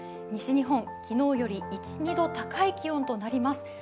西日本、昨日より１２度高い気温となります。